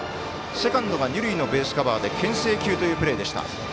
セカンドが二塁のベースカバーでけん制球というプレーでした。